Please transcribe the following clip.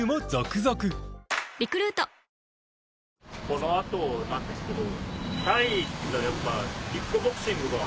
この後なんですけど。